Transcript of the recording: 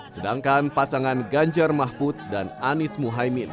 sedangkan pasangan ganjar mahfud dan anies muhaymin